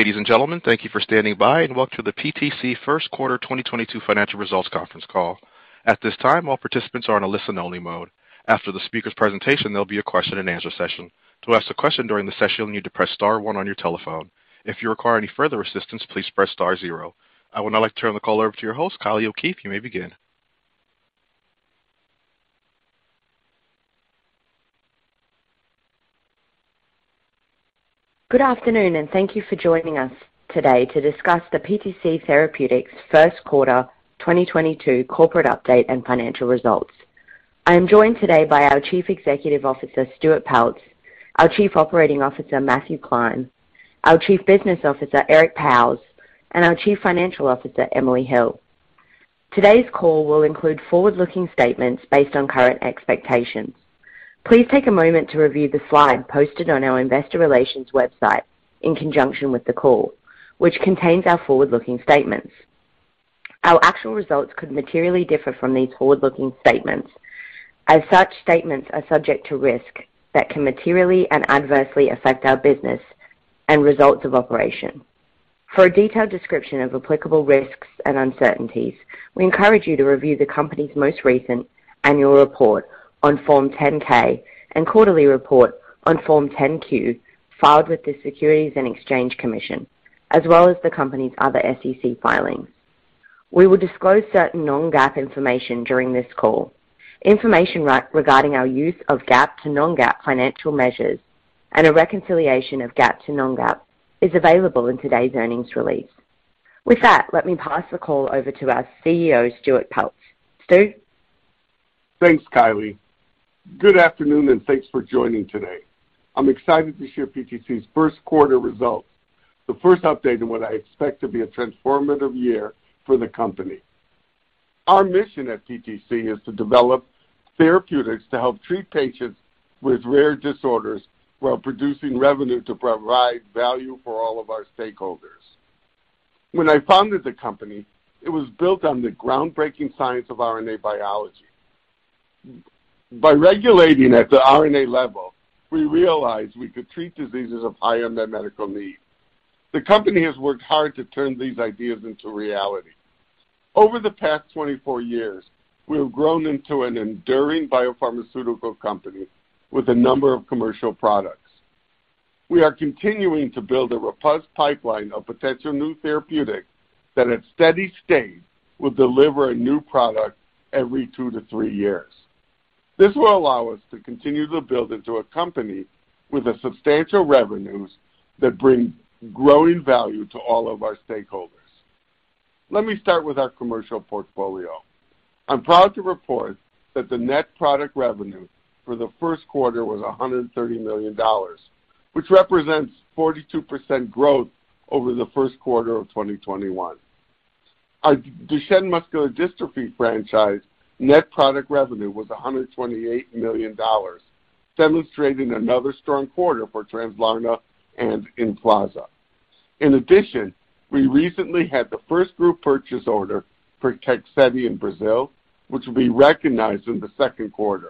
Ladies and gentlemen, thank you for standing by and welcome to the PTC Q 2022 Financial Results Conference Call. At this time, all participants are in a listen-only mode. After the speaker's presentation, there'll be a question-and-answer session. To ask a question during the session, you need to press star one on your telephone. If you require any further assistance, please press star zero. I would now like to turn the call over to your host, Kylie O'Keefe. You may begin. Good afternoon, and thank you for joining us today to discuss the PTC Therapeutics Q1 2022 corporate update and financial results. I am joined today by our Chief Executive Officer, Stuart Peltz, our Chief Operating Officer, Matthew Klein, our Chief Business Officer, Eric Pauwels, and our Chief Financial Officer, Emily Hill. Today's call will include forward-looking statements based on current expectations. Please take a moment to review the slide posted on our investor relations website in conjunction with the call, which contains our forward-looking statements. Our actual results could materially differ from these forward-looking statements. As such, statements are subject to risk that can materially and adversely affect our business and results of operations. For a detailed description of applicable risks and uncertainties, we encourage you to review the company's most recent annual report on Form 10-K and quarterly report on Form 10-Q filed with the Securities and Exchange Commission, as well as the company's other SEC filings. We will disclose certain non-GAAP information during this call. Information regarding our use of GAAP to non-GAAP financial measures and a reconciliation of GAAP to non-GAAP is available in today's earnings release. With that, let me pass the call over to our CEO, Stuart Peltz. Stu? Thanks, Kylie. Good afternoon, and thanks for joining today. I'm excited to share PTC's Q1 results, the first update in what I expect to be a transformative year for the company. Our mission at PTC is to develop therapeutics to help treat patients with rare disorders while producing revenue to provide value for all of our stakeholders. When I founded the company, it was built on the groundbreaking science of RNA biology. By regulating at the RNA level, we realized we could treat diseases of high unmet medical need. The company has worked hard to turn these ideas into reality. Over the past 24 years, we have grown into an enduring biopharmaceutical company with a number of commercial products. We are continuing to build a robust pipeline of potential new therapeutics that at steady state will deliver a new product every two to three years. This will allow us to continue to build into a company with a substantial revenues that bring growing value to all of our stakeholders. Let me start with our commercial portfolio. I'm proud to report that the net product revenue for the Q1 was $130 million, which represents 42% growth over the Q1 of 2021. Our Duchenne muscular dystrophy franchise net product revenue was $128 million, demonstrating another strong quarter for Translarna and Emflaza. In addition, we recently had the first group purchase order for Translarna in Brazil, which will be recognized in the Q2.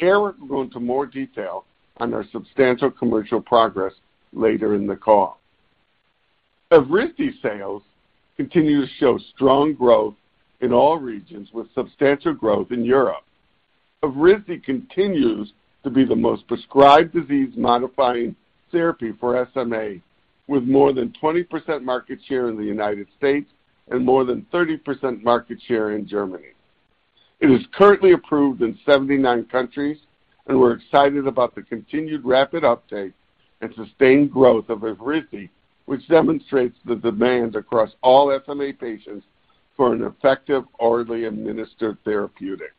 Eric will go into more detail on our substantial commercial progress later in the call. Evrysdi sales continue to show strong growth in all regions, with substantial growth in Europe. Evrysdi continues to be the most prescribed disease-modifying therapy for SMA, with more than 20% market share in the United States and more than 30% market share in Germany. It is currently approved in 79 countries, and we're excited about the continued rapid uptake and sustained growth of Evrysdi, which demonstrates the demand across all SMA patients for an effective orally administered therapeutic.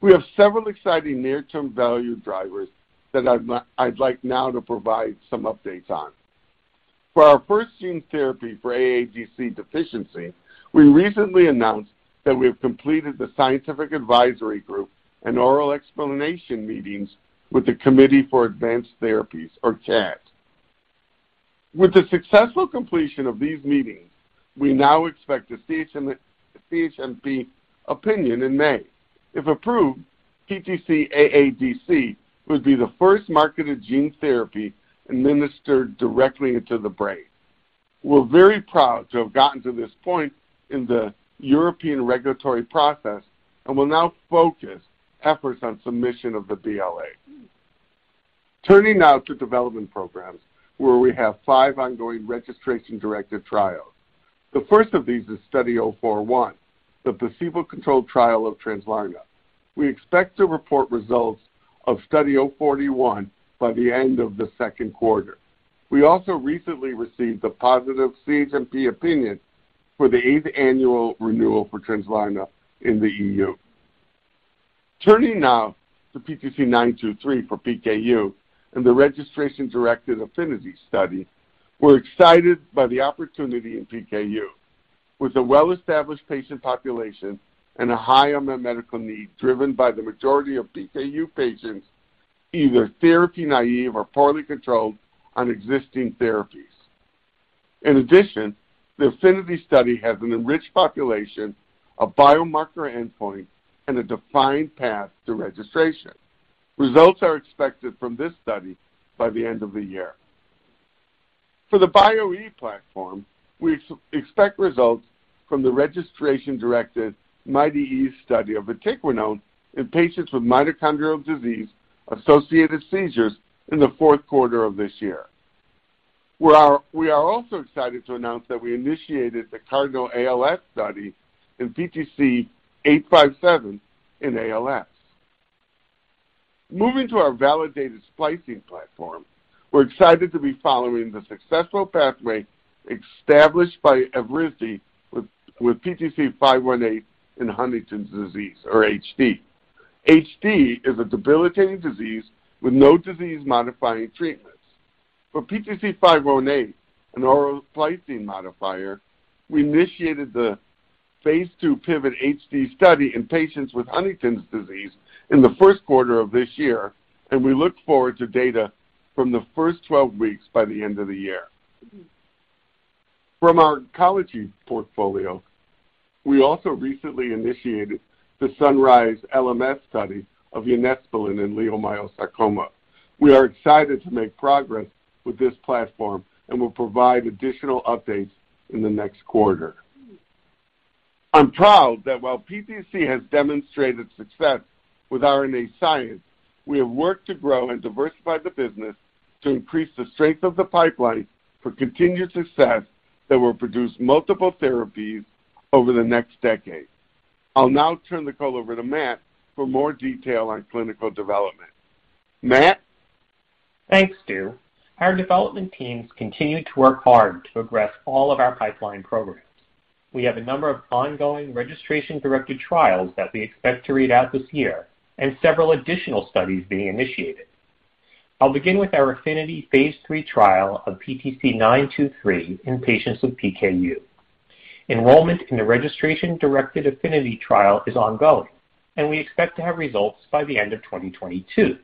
We have several exciting near-term value drivers that I'd like now to provide some updates on. For our first gene therapy for AADC deficiency, we recently announced that we have completed the Scientific Advisory Group oral explanation meetings with the Committee for Advanced Therapies or CAT. With the successful completion of these meetings, we now expect a CHMP opinion in May. If approved, PTC-AADC would be the first marketed gene therapy administered directly into the brain. We're very proud to have gotten to this point in the European regulatory process and will now focus efforts on submission of the BLA. Turning now to development programs, where we have five ongoing registration-directed trials. The first of these is Study 041, the placebo-controlled trial of Translarna. We expect to report results of Study 041 by the end of the Q2. We also recently received a positive CHMP opinion for the eighth annual renewal for Translarna in the EU. Turning now to PTC923 for PKU and the registration-directed AFFINITY study, we're excited by the opportunity in PKU with a well-established patient population and a high unmet medical need driven by the majority of PKU patients, either therapy naive or poorly controlled on existing therapies. In addition, the AFFINITY study has an enriched population, a biomarker endpoint, and a defined path to registration. Results are expected from this study by the end of the year. For the Bio-e platform, we expect results from the registration-directed MIT-E study of vatiquinone in patients with mitochondrial disease-associated seizures in the Q4 of this year. We are also excited to announce that we initiated the CARDINALS study in PTC-857 in ALS. Moving to our validated splicing platform, we're excited to be following the successful pathway established by Evrysdi with PTC518 in Huntington's disease or HD. HD is a debilitating disease with no disease-modifying treatments. For PTC518, an oral splicing modifier, we initiated the phase II PIVOT-HD study in patients with Huntington's disease in the Q1 of this year, and we look forward to data from the first 12 weeks by the end of the year. From our oncology portfolio, we also recently initiated the SUNRISE LMS study of unesbulin in leiomyosarcoma. We are excited to make progress with this platform and will provide additional updates in the next quarter. I'm proud that while PTC has demonstrated success with RNA science, we have worked to grow and diversify the business to increase the strength of the pipeline for continued success that will produce multiple therapies over the next decade. I'll now turn the call over to Matt for more detail on clinical development. Matt? Thanks, Stu. Our development teams continue to work hard to progress all of our pipeline programs. We have a number of ongoing registration-directed trials that we expect to read out this year and several additional studies being initiated. I'll begin with our AFFINITY phase III trial of PTC-923 in patients with PKU. Enrollment in the registration-directed AFFINITY trial is ongoing, and we expect to have results by the end of 2022.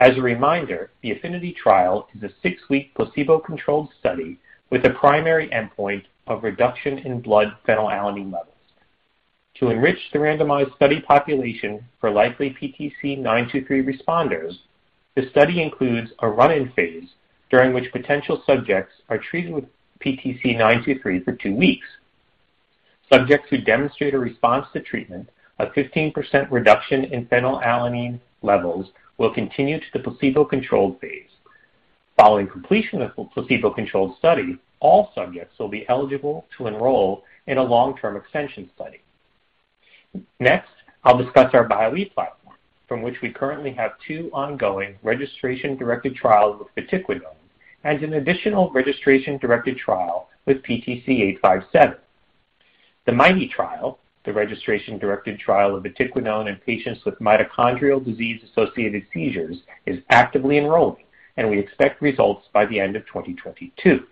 As a reminder, the AFFINITY trial is a six-week placebo-controlled study with a primary endpoint of reduction in blood phenylalanine levels. To enrich the randomized study population for likely PTC-923 responders, the study includes a run-in phase during which potential subjects are treated with PTC-923 for two weeks. Subjects who demonstrate a response to treatment, a 15% reduction in phenylalanine levels, will continue to the placebo-controlled phase. Following completion of placebo-controlled study, all subjects will be eligible to enroll in a long-term extension study. Next, I'll discuss our Bio-e platform, from which we currently have two ongoing registration-directed trials with vatiquinone and an additional registration-directed trial with PTC-857. The MIT-E trial, the registration-directed trial of vatiquinone in patients with mitochondrial disease-associated seizures, is actively enrolling, and we expect results by the end of 2022.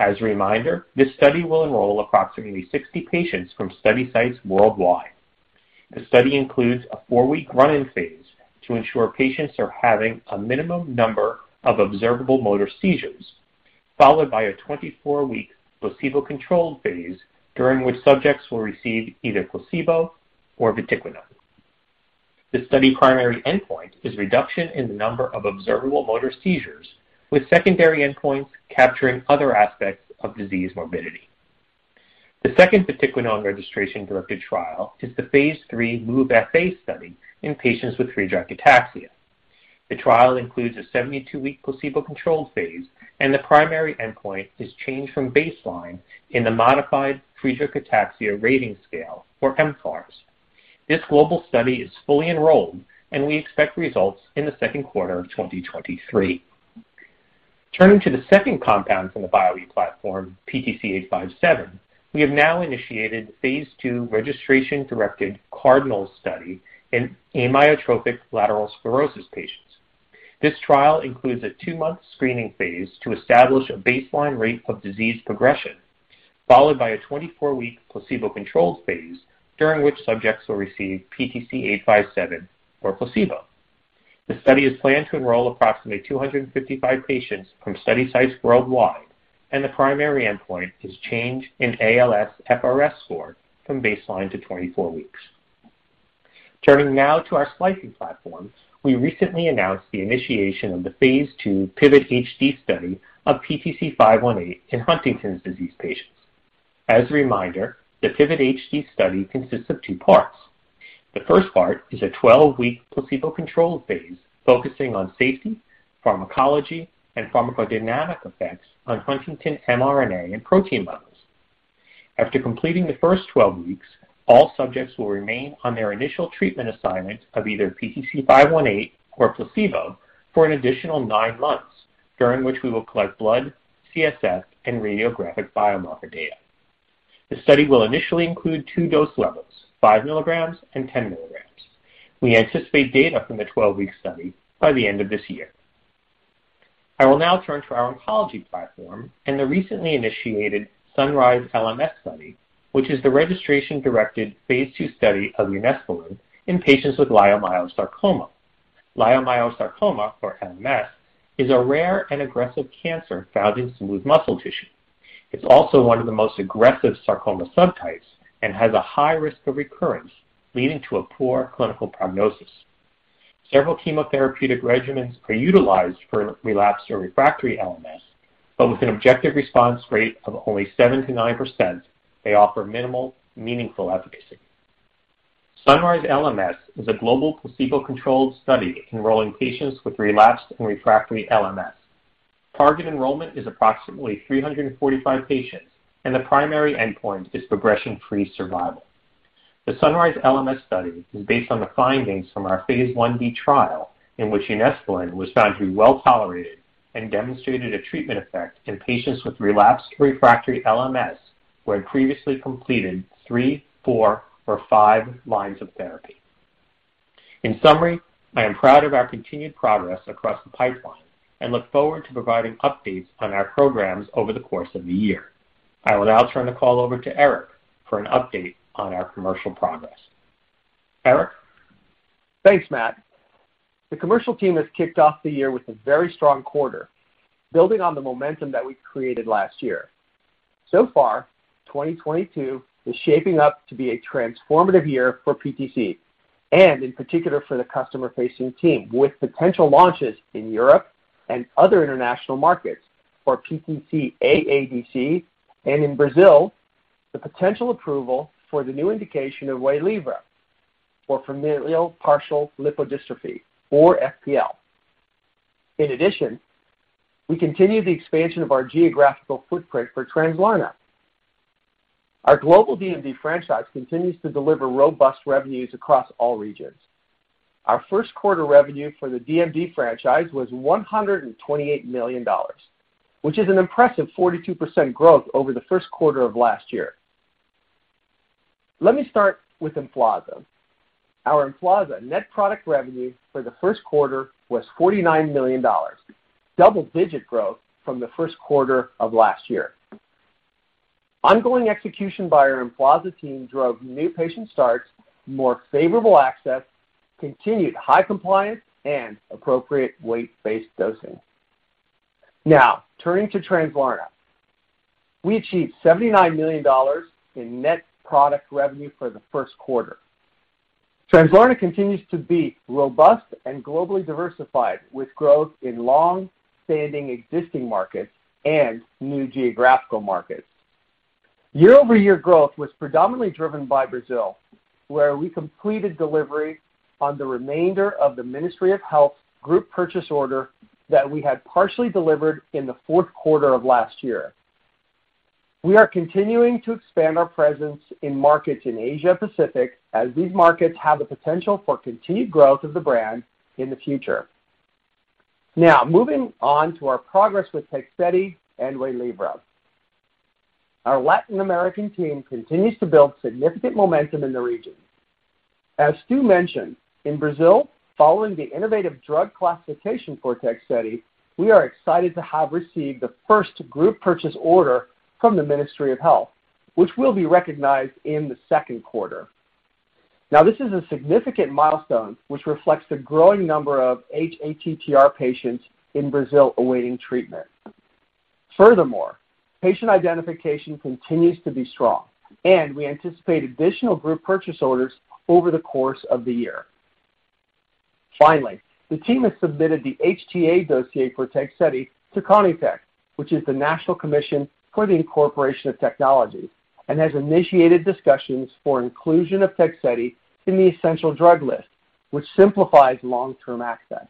As a reminder, this study will enroll approximately 60 patients from study sites worldwide. The study includes a four-week run-in phase to ensure patients are having a minimum number of observable motor seizures, followed by a 24-week placebo-controlled phase during which subjects will receive either placebo or vatiquinone. The study primary endpoint is reduction in the number of observable motor seizures, with secondary endpoints capturing other aspects of disease morbidity. The second vatiquinone registration-directed trial is the phase 3 MOVE-FA study in patients with Friedreich's ataxia. The trial includes a 72-week placebo-controlled phase, and the primary endpoint is change from baseline in the modified Friedreich's ataxia rating scale for mFARS. This global study is fully enrolled, and we expect results in the Q2 of 2023. Turning to the second compound from the Bio-e platform, PTC-857, we have now initiated phase II registration-directed CardinALS study in amyotrophic lateral sclerosis patients. This trial includes a two-month screening phase to establish a baseline rate of disease progression, followed by a 24-week placebo-controlled phase during which subjects will receive PTC-857 or placebo. The study is planned to enroll approximately 255 patients from study sites worldwide, and the primary endpoint is change in ALSFRS-R score from baseline to 24 weeks. Turning now to our splicing platform, we recently announced the initiation of the phase II PIVOT-HD study of PTC-518 in Huntington's disease patients. As a reminder, the PIVOT-HD study consists of two parts. The first part is a 12-week placebo-controlled phase focusing on safety, pharmacology, and pharmacodynamic effects on Huntington mRNA and protein levels. After completing the first 12 weeks, all subjects will remain on their initial treatment assignment of either PTC-518 or placebo for an additional nine months, during which we will collect blood, CSF, and radiographic biomarker data. The study will initially include two dose levels, 5 milligrams and 10 milligrams. We anticipate data from the 12-week study by the end of this year. I will now turn to our oncology platform and the recently initiated SUNRISE LMS study, which is the registration-directed phase II study of unesbulin in patients with leiomyosarcoma. Leiomyosarcoma, or LMS, is a rare and aggressive cancer found in smooth muscle tissue. It's also one of the most aggressive sarcoma subtypes and has a high risk of recurrence, leading to a poor clinical prognosis. Several chemotherapeutic regimens are utilized for relapsed or refractory LMS, but with an objective response rate of only 7%-9%, they offer minimal meaningful efficacy. SUNRISE LMS is a global placebo-controlled study enrolling patients with relapsed and refractory LMS. Target enrollment is approximately 345 patients, and the primary endpoint is progression-free survival. The SUNRISE LMS study is based on the findings from our Phase 1b trial, in which unesbulin was found to be well-tolerated and demonstrated a treatment effect in patients with relapsed refractory LMS who had previously completed three, four, or five lines of therapy. In summary, I am proud of our continued progress across the pipeline and look forward to providing updates on our programs over the course of the year. I will now turn the call over to Eric for an update on our commercial progress. Eric? Thanks, Matt. The commercial team has kicked off the year with a very strong quarter, building on the momentum that we created last year. So far, 2022 is shaping up to be a transformative year for PTC and in particular for the customer-facing team, with potential launches in Europe and other international markets for PTC-AADC, and in Brazil, the potential approval for the new indication of Waylivra for Familial Partial Lipodystrophy or FPL. In addition, we continue the expansion of our geographical footprint for Translarna. Our global DMD franchise continues to deliver robust revenues across all regions. Our Q1 revenue for the DMD franchise was $128 million, which is an impressive 42% growth over the Q1 of last year. Let me start with Emflaza. Our Emflaza net product revenue for the Q1 was $49 million, double-digit growth from the Q1 of last year. Ongoing execution by our Emflaza team drove new patient starts, more favorable access, continued high compliance, and appropriate weight-based dosing. Now, turning to Translarna. We achieved $79 million in net product revenue for the Q1. Translarna continues to be robust and globally diversified, with growth in longstanding existing markets and new geographical markets. Year-over-year growth was predominantly driven by Brazil, where we completed delivery on the remainder of the Ministry of Health group purchase order that we had partially delivered in the Q4 of last year. We are continuing to expand our presence in markets in Asia-Pacific as these markets have the potential for continued growth of the brand in the future. Now, moving on to our progress with Tegsedi and Waylivra. Our Latin American team continues to build significant momentum in the region. As Stu mentioned, in Brazil, following the innovative drug classification for Tegsedi, we are excited to have received the first group purchase order from the Ministry of Health, which will be recognized in the Q2. This is a significant milestone which reflects the growing number of hATTR patients in Brazil awaiting treatment. Furthermore, patient identification continues to be strong and we anticipate additional group purchase orders over the course of the year. The team has submitted the HTA dossier for Tegsedi to CONITEC, which is the National Committee for Health Technology Incorporation, and has initiated discussions for inclusion of Tegsedi in the essential drug list, which simplifies long-term access.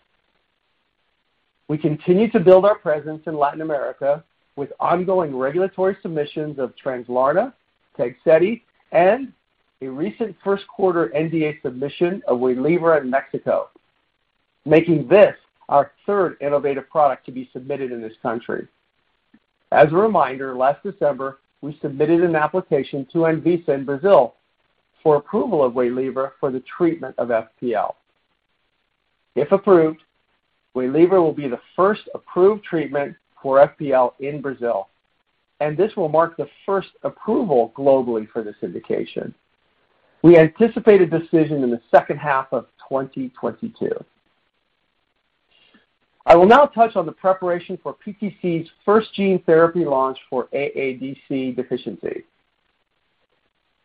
We continue to build our presence in Latin America with ongoing regulatory submissions of Translarna, Tegsedi, and a recent Q1 NDA submission of Waylivra in Mexico, making this our third innovative product to be submitted in this country. As a reminder, last December, we submitted an application to Anvisa in Brazil for approval of Waylivra for the treatment of FPL. If approved, Waylivra will be the first approved treatment for FPL in Brazil, and this will mark the first approval globally for this indication. We anticipate a decision in the second half of 2022. I will now touch on the preparation for PTC's first gene therapy launch for AADC deficiency.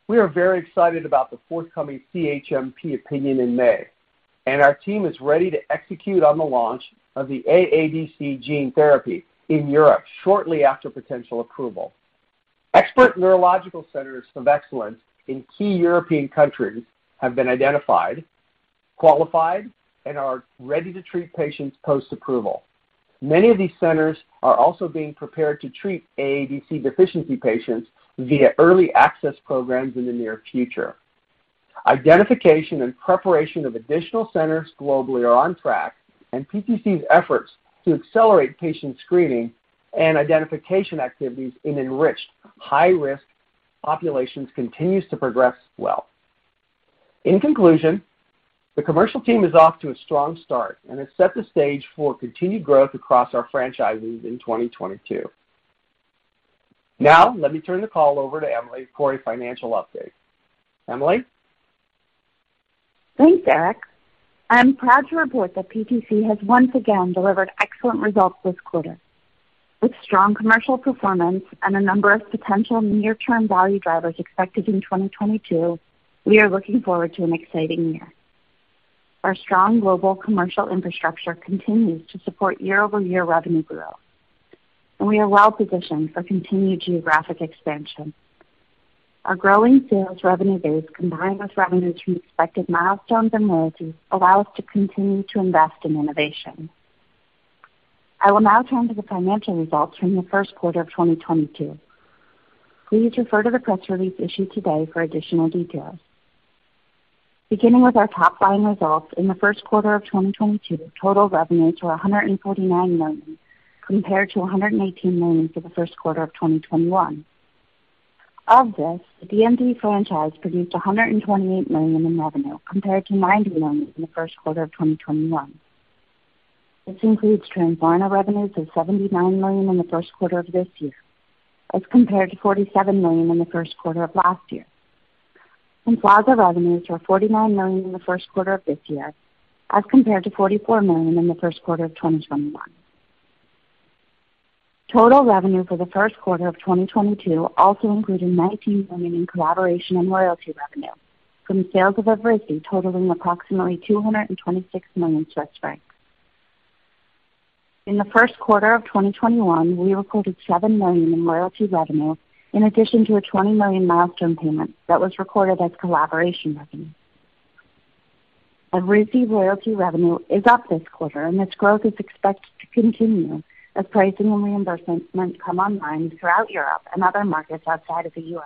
We are very excited about the forthcoming CHMP opinion in May, and our team is ready to execute on the launch of the AADC gene therapy in Europe shortly after potential approval. Expert neurological centers of excellence in key European countries have been identified, qualified, and are ready to treat patients post-approval. Many of these centers are also being prepared to treat AADC deficiency patients via early access programs in the near future. Identification and preparation of additional centers globally are on track, and PTC's efforts to accelerate patient screening and identification activities in enriched high-risk populations continues to progress well. In conclusion, the commercial team is off to a strong start and has set the stage for continued growth across our franchises in 2022. Now let me turn the call over to Emily for a financial update. Emily? Thanks, Stuart Peltz. I'm proud to report that PTC has once again delivered excellent results this quarter. With strong commercial performance and a number of potential near-term value drivers expected in 2022, we are looking forward to an exciting year. Our strong global commercial infrastructure continues to support year-over-year revenue growth, and we are well positioned for continued geographic expansion. Our growing sales revenue base, combined with revenue from expected milestones and royalties, allow us to continue to invest in innovation. I will now turn to the financial results from the Q1of 2022. Please refer to the press release issued today for additional details. Beginning with our top line results, in the Q1 of 2022, total revenues were $149 million, compared to $118 million for the Q1 of 2021. Of this, the DMD franchise produced $128 million in revenue, compared to $90 million in the Q1 of 2021. This includes Translarna revenues of $79 million in the Q1 of this year as compared to $47 million in theQ1 of last year. Emflaza revenues were $49 million in the Q1 of this year as compared to $44 million in the Q1 of 2021. Total revenue for the Q1r of 2022 also included $19 million in collaboration and royalty revenue from sales of Evrysdi totaling approximately 226 million. In the Q1 of 2021, we reported $7 million in royalty revenue in addition to a $20 million milestone payment that was recorded as collaboration revenue. Evrysdi royalty revenue is up this quarter, and this growth is expected to continue as pricing and reimbursements come online throughout Europe and other markets outside of the U.S.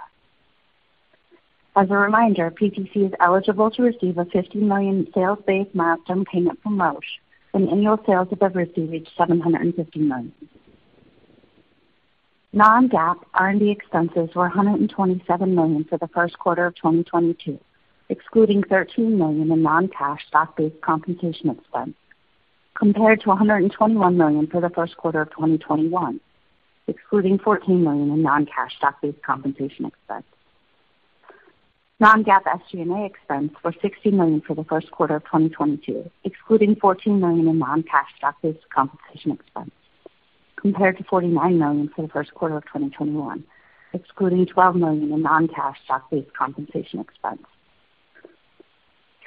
As a reminder, PTC is eligible to receive a $50 million sales-based milestone payment from Roche when annual sales of Evrysdi reach $750 million. Non-GAAP R&D expenses were $127 million for the Q1 of 2022, excluding $13 million in non-cash stock-based compensation expense, compared to $121 million for the Q1 of 2021, excluding $14 million in non-cash stock-based compensation expense. Non-GAAP SG&A expense were $60 million for the Q1 of 2022, excluding $14 million in non-cash stock-based compensation expense, compared to $49 million for the Q1 of 2021, excluding $12 million in non-cash stock-based compensation expense.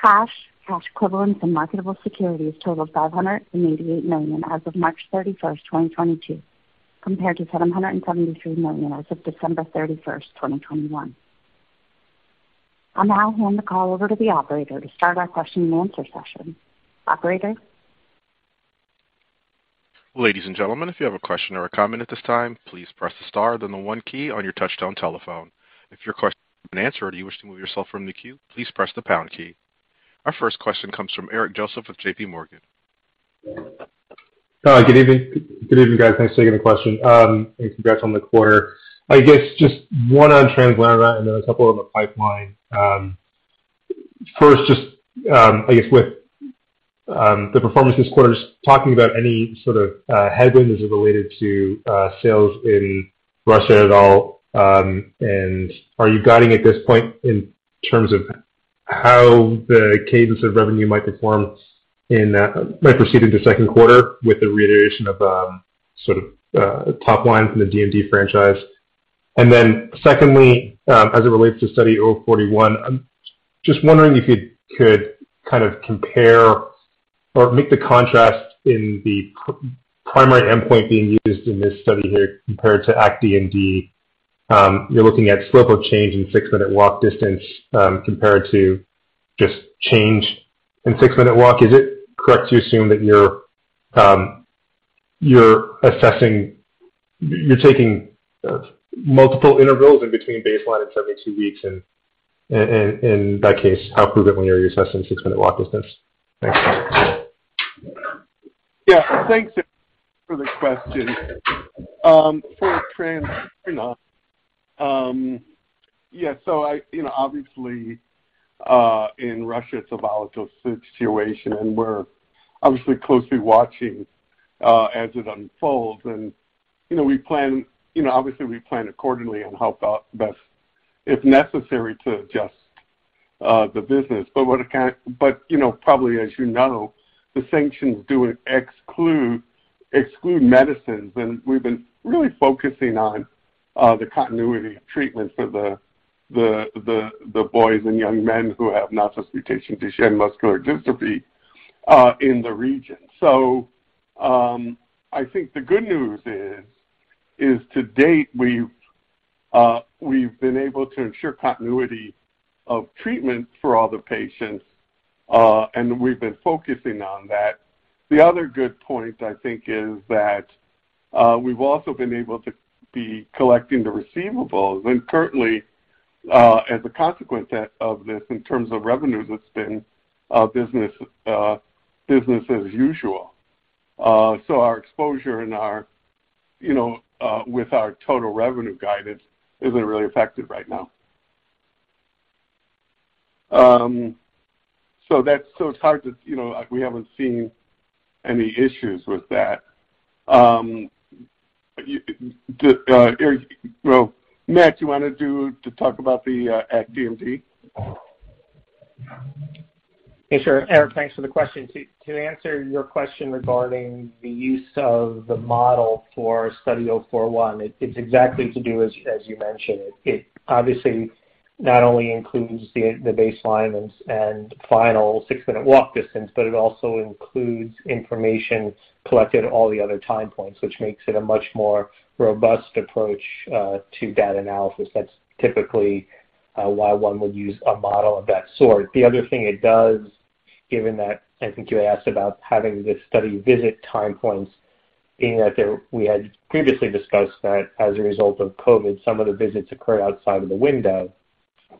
Cash, cash equivalents, and marketable securities total $588 million as of March 31, 2022, compared to $773 million as of December 31, 2021. I'll now hand the call over to the operator to start our question and answer session. Operator? Ladies and gentlemen, if you have a question or a comment at this time, please press the star then the one key on your touchtone telephone. If your question has been answered or you wish to move yourself from the queue, please press the pound key. Our first question comes from Eric Joseph with JPMorgan. Hi. Good evening. Good evening, guys. Thanks for taking the question. Congrats on the quarter. I guess just one on Translarna and then a couple on the pipeline. First, I guess with the performance this quarter, just talking about any sort of headwinds as it related to sales in Russia at all. Are you guiding at this point in terms of how the cadence of revenue might proceed into Q2 with the reiteration of sort of top line from the DMD franchise? Then secondly, as it relates to Study 041, I'm just wondering if you could kind of compare or make the contrast in the primary endpoint being used in this study here compared to ACT DMD. You're looking at slope of change in six-minute walk distance, compared to just change in six-minute walk. Is it correct to assume that you're taking multiple intervals in between baseline and 72 weeks? In that case, how often are you assessing six-minute walk distance? Thanks. Yeah. Thanks for the question. For Translarna, yeah, so I, you know, obviously, in Russia, it's a volatile situation, and we're obviously closely watching as it unfolds. You know, we plan, you know, obviously we plan accordingly on how to best, if necessary, to adjust the business. You know, probably as you know, the sanctions do exclude medicines, and we've been really focusing on the continuity of treatment for the boys and young men who have nonsense mutation Duchenne muscular dystrophy in the region. I think the good news is to date, we've been able to ensure continuity of treatment for all the patients, and we've been focusing on that. The other good point, I think, is that we've also been able to collect the receivables. Currently, as a consequence of this in terms of revenues, it's been business as usual. Our exposure and our, you know, with our total revenue guidance isn't really affected right now. It's hard to, you know, we haven't seen any issues with that. Eric... Well, Matt, you want to talk about the ACT DMD? Yeah, sure. Eric, thanks for the question. To answer your question regarding the use of the model for Study 041, it's exactly to do as you mentioned. It obviously not only includes the baseline and final six-minute walk distance, but it also includes information collected at all the other time points, which makes it a much more robust approach to data analysis. That's typically why one would use a model of that sort. The other thing it does, given that I think you asked about having the study visit time points, being that there we had previously discussed that as a result of COVID, some of the visits occurred outside of the window.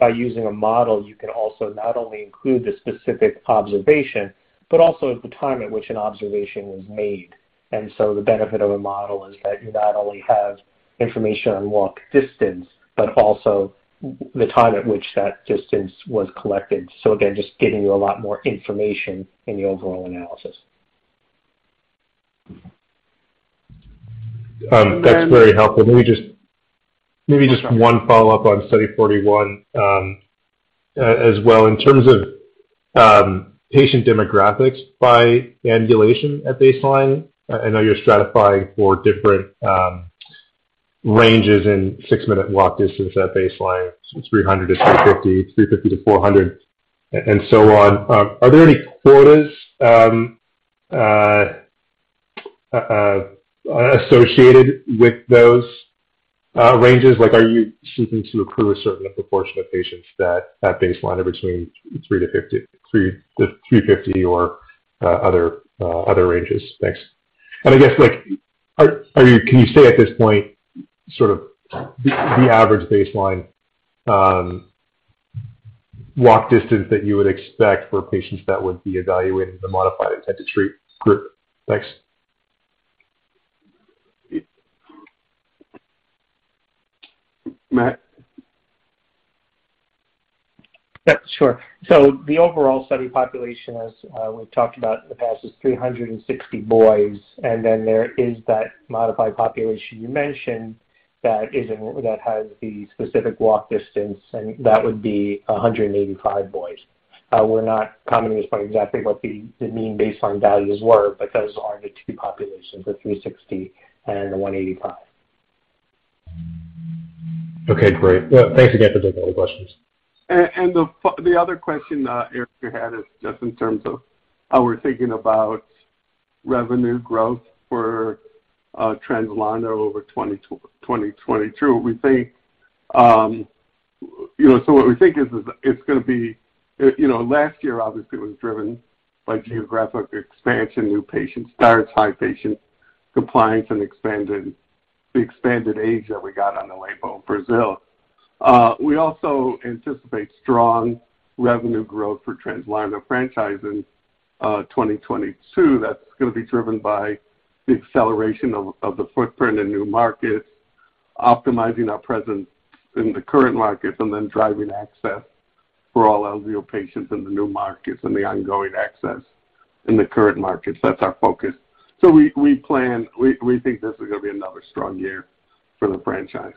By using a model, you can also not only include the specific observation, but also the time at which an observation was made. The benefit of a model is that you not only have information on walk distance, but also the time at which that distance was collected. Again, just giving you a lot more information in the overall analysis. That's very helpful. Maybe just one follow-up on Study 041, as well. In terms of patient demographics by ambulation at baseline, I know you're stratifying for different ranges in six-minute walk distance at baseline, so 300-350, 350-400, and so on. Are there any quotas associated with those ranges? Like, are you seeking to accrue a certain proportion of patients that at baseline are between 300-350, 300-350 or other ranges? Thanks. I guess, like, can you say at this point sort of the average baseline walk distance that you would expect for patients that would be evaluated in the modified intent-to-treat group? Thanks. Matt? Yeah, sure. The overall study population, as we've talked about in the past, is 360 boys, and then there is that modified population you mentioned that has the specific walk distance, and that would be 185 boys. We're not commenting as far as exactly what the mean baseline values were, but those are the two populations, the 360 and the 185. Okay, great. Well, thanks again for taking the questions. The other question, Eric, you had is just in terms of how we're thinking about revenue growth for Translarna over 2022. We think, you know, what we think is it's gonna be, you know, last year obviously was driven by geographic expansion, new patient starts, high patient compliance and the expanded age that we got on the label in Brazil. We also anticipate strong revenue growth for Translarna franchise in 2022. That's gonna be driven by the acceleration of the footprint in new markets, optimizing our presence in the current markets and then driving access for all eligible patients in the new markets and the ongoing access in the current markets. That's our focus. We plan, we think this is gonna be another strong year for the franchise.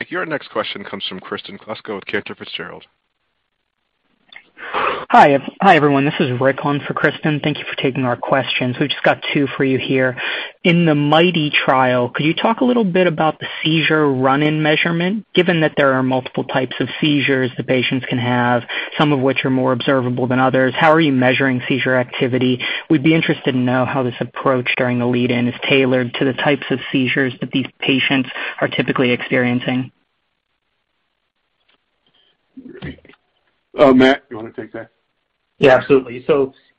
Thank you. Our next question comes from Kristin Kluska with Keefe, Bruyette & Woods. Hi. Hi, everyone. This is Rick on for Kristin. Thank you for taking our questions. We've just got two for you here. In the MIGHTY trial, could you talk a little bit about the seizure run-in measurement? Given that there are multiple types of seizures the patients can have, some of which are more observable than others, how are you measuring seizure activity? We'd be interested to know how this approach during the lead-in is tailored to the types of seizures that these patients are typically experiencing. Oh, Matt, you wanna take that? Yeah, absolutely.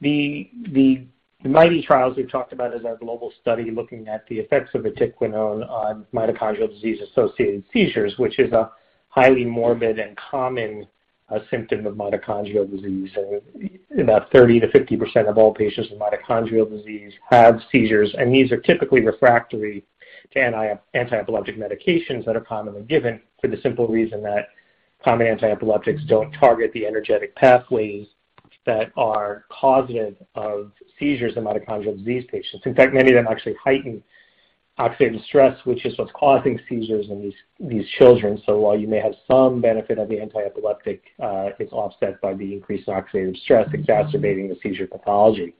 The MIGHTY trial we've talked about is our global study looking at the effects of vatiquinone on mitochondrial disease-associated seizures, which is a highly morbid and common symptom of mitochondrial disease. About 30%-50% of all patients with mitochondrial disease have seizures, and these are typically refractory to antiepileptic medications that are commonly given for the simple reason that common antiepileptics don't target the energetic pathways that are causative of seizures in mitochondrial disease patients. In fact, many of them actually heighten oxidative stress, which is what's causing seizures in these children. While you may have some benefit of the antiepileptic, it's offset by the increased oxidative stress exacerbating the seizure pathology.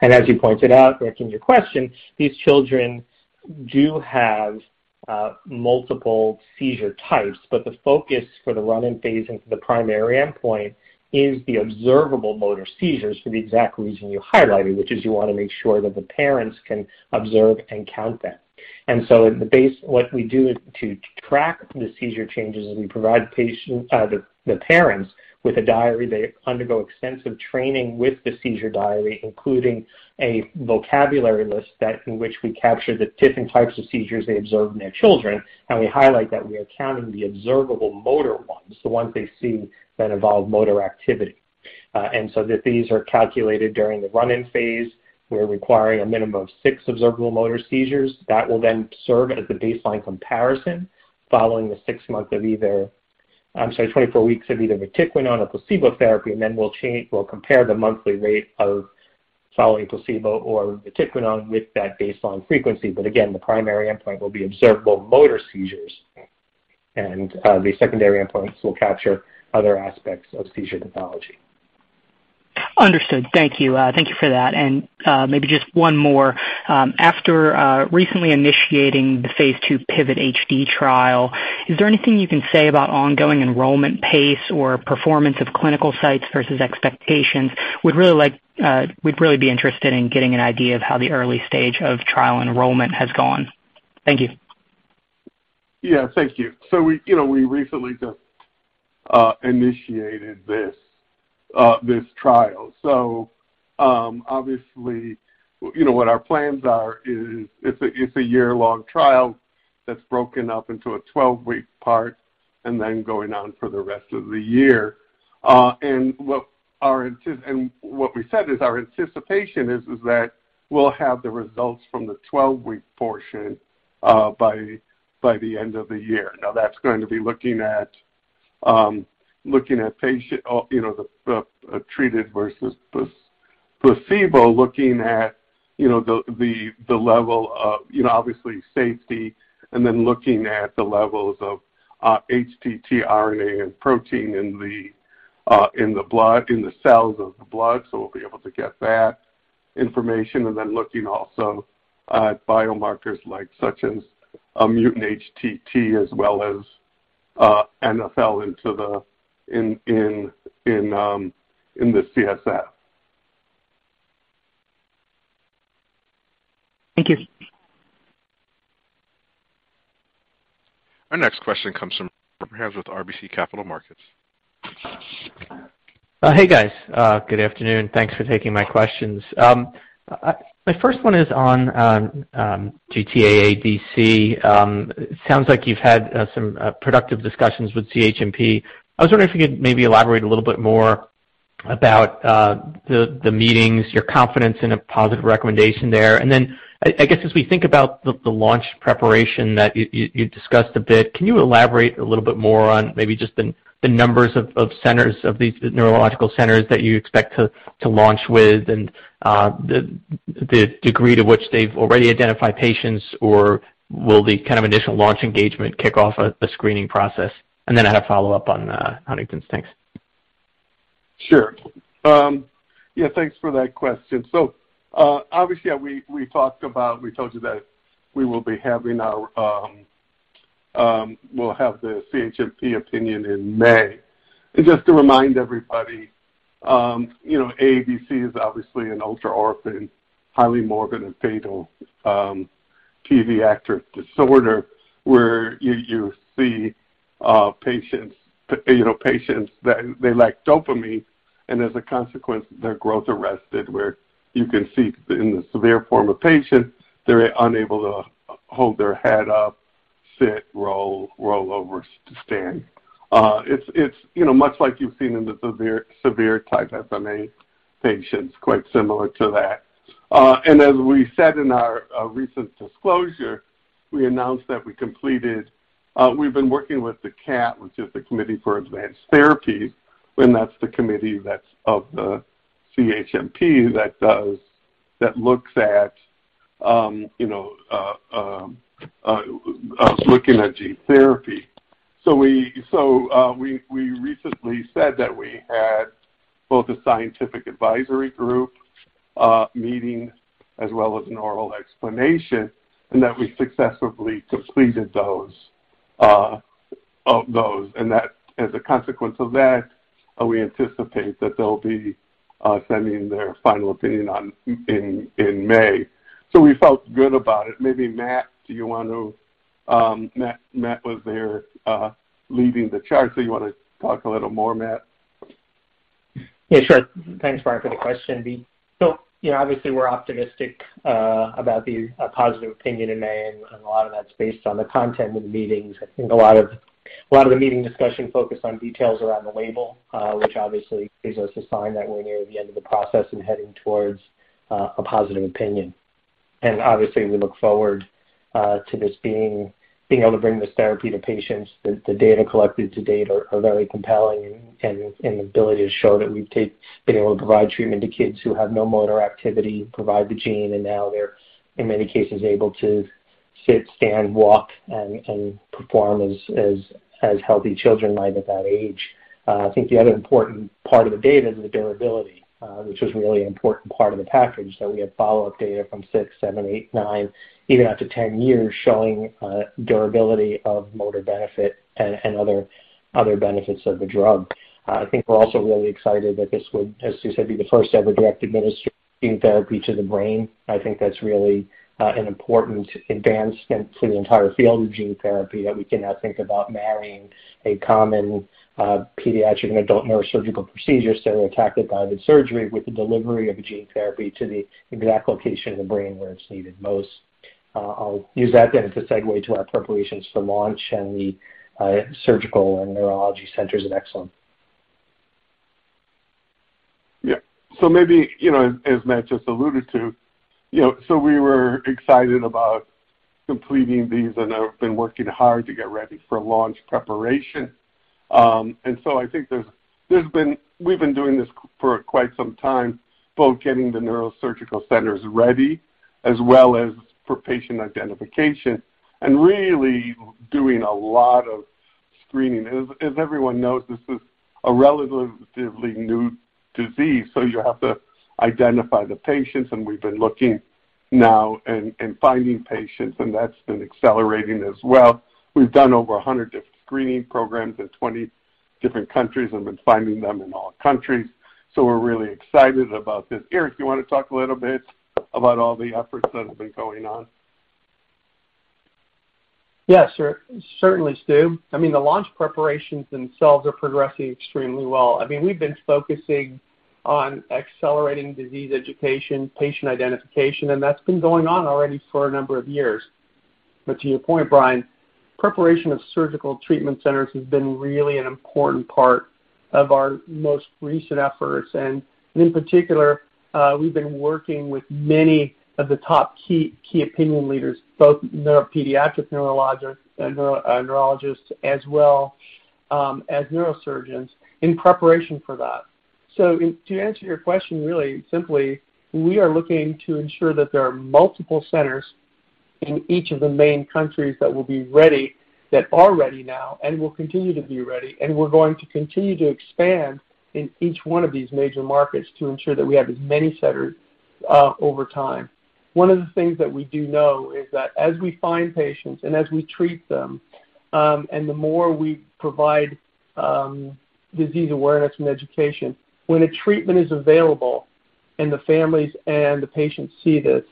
As you pointed out, answering your question, these children do have multiple seizure types, but the focus for the run-in phase into the primary endpoint is the observable motor seizures for the exact reason you highlighted, which is you wanna make sure that the parents can observe and count them. At the base, what we do is to track the seizure changes, we provide the parents with a diary. They undergo extensive training with the seizure diary, including a vocabulary list that in which we capture the different types of seizures they observe in their children, and we highlight that we are counting the observable motor ones, the ones they see that involve motor activity. That these are calculated during the run-in phase. We're requiring a minimum of 6 observable motor seizures. That will then serve as the baseline comparison following the six months of either, I'm sorry, 24 weeks of either vatiquinone or placebo therapy. We'll compare the monthly rate following placebo or vatiquinone with that baseline frequency. Again, the primary endpoint will be observable motor seizures, and the secondary endpoints will capture other aspects of seizure pathology. Understood. Thank you. Thank you for that. Maybe just one more. After recently initiating the phase II PIVOT-HD trial, is there anything you can say about ongoing enrollment pace or performance of clinical sites versus expectations? We'd really be interested in getting an idea of how the early stage of trial enrollment has gone. Thank you. Yeah, thank you. We, you know, we recently just initiated this trial. Obviously, you know, what our plans are is it's a year-long trial that's broken up into a 12-week part and then going on for the rest of the year. What we said is our anticipation is that we'll have the results from the 12-week portion by the end of the year. Now that's going to be looking at patient, you know, the treated versus placebo, looking at, you know, the level of, you know, obviously safety and then looking at the levels of HTT RNA and protein in the blood, in the cells of the blood. We'll be able to get that information. Looking also at biomarkers like such as a mutant HTT as well as NfL in the CSF. Thank you. Our next question comes from with RBC Capital Markets. Hey, guys, good afternoon. Thanks for taking my questions. My first one is on GT-AADC. It sounds like you've had some productive discussions with CHMP. I was wondering if you could maybe elaborate a little bit more about the meetings, your confidence in a positive recommendation there. I guess as we think about the launch preparation that you discussed a bit, can you elaborate a little bit more on maybe just the numbers of centers of these neurological centers that you expect to launch with and the degree to which they've already identified patients, or will the kind of initial launch engagement kick off a screening process? I had a follow-up on Huntington's. Thanks. Sure. Yeah, thanks for that question. Obviously we talked about, we told you that we will be having our, we'll have the CHMP opinion in May. Just to remind everybody, you know, AADC is obviously an ultra-orphan, highly morbid and fatal pediatric disorder, where you see patients you know that they lack dopamine, and as a consequence, their growth arrested, where you can see in the severe form of patients, they're unable to hold their head up, sit, roll over to stand. It's you know much like you've seen in the severe type SMA patients, quite similar to that. As we said in our recent disclosure, we announced that we completed we've been working with the CAT, which is the Committee for Advanced Therapies, and that's the committee that's of the CHMP that looks at you know looking at gene therapy. We recently said that we had both a scientific advisory group meeting as well as an oral explanation, and that we successfully completed those. As a consequence of that, we anticipate that they'll be sending their final opinion on in May. We felt good about it. Maybe Matt, do you want to Matt was there leading the charge. You want to talk a little more, Matt? Yeah, sure. Thanks, Brian, for the question. So, you know, obviously we're optimistic about the positive opinion in May, and a lot of that's based on the content of the meetings. I think a lot of the meeting discussion focused on details around the label, which obviously gives us a sign that we're near the end of the process and heading towards a positive opinion. Obviously we look forward to this being able to bring this therapy to patients. The data collected to date are very compelling and an ability to show that we've been able to provide treatment to kids who have no motor activity, provide the gene, and now they're in many cases able to sit, stand, walk, and perform as healthy children might at that age. I think the other important part of the data is the durability, which was a really important part of the package, that we have follow-up data from six, seven, eight, nine, even up to 10 years, showing durability of motor benefit and other benefits of the drug. I think we're also really excited that this would, as Stu said, be the first ever directly administered gene therapy to the brain. I think that's really an important advancement to the entire field of gene therapy, that we can now think about marrying a common pediatric and adult neurosurgical procedure, so targeted by the surgery with the delivery of a gene therapy to the exact location of the brain where it's needed most. I'll use that then to segue to our preparations for launch and the surgical and neurology centers of excellence. Yeah. Maybe, you know, as Matt just alluded to, you know, we were excited about completing these, and I've been working hard to get ready for launch preparation. I think there's been we've been doing this for quite some time, both getting the neurosurgical centers ready as well as for patient identification and really doing a lot of screening. As everyone knows, this is a relatively new disease, so you have to identify the patients, and we've been looking now and finding patients, and that's been accelerating as well. We've done over 100 different screening programs in 20 different countries and been finding them in all countries. We're really excited about this. Eric, you wanna talk a little bit about all the efforts that have been going on? Yes, sir. Certainly, Stu. I mean, the launch preparations themselves are progressing extremely well. I mean, we've been focusing on accelerating disease education, patient identification, and that's been going on already for a number of years. To your point, Brian, preparation of surgical treatment centers has been really an important part of our most recent efforts. In particular, we've been working with many of the top key opinion leaders, both pediatric neurologists and neurologists as well as neurosurgeons in preparation for that. To answer your question really simply, we are looking to ensure that there are multiple centers in each of the main countries that will be ready, that are ready now and will continue to be ready, and we're going to continue to expand in each one of these major markets to ensure that we have as many centers over time. One of the things that we do know is that as we find patients and as we treat them, and the more we provide disease awareness and education, when a treatment is available and the families and the patients see this,